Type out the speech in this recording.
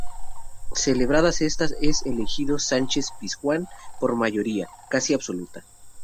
Celebradas estas es elegido Sánchez-Pizjuán por mayoría casi absoluta.